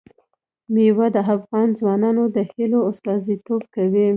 مېوې د افغان ځوانانو د هیلو استازیتوب کوي.